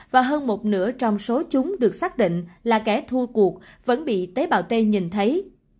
và hơn một nửa trong số chúng được xác định là kẻ thua cuộc vẫn bị tế bào tây nhìn thấy